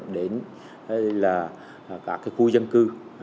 đến cả khu dân cư